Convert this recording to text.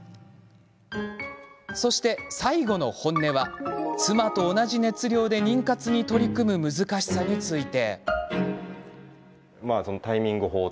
そして、最後の本音は妻と同じ熱量で妊活に取り組む難しさについて。